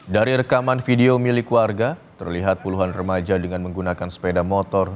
dari rekaman video milik warga terlihat puluhan remaja dengan menggunakan sepeda motor